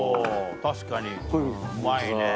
確かにうまいね。